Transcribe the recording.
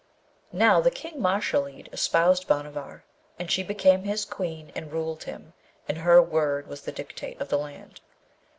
Now, the King Mashalleed espoused Bhanavar, and she became his queen and ruled him, and her word was the dictate of the land.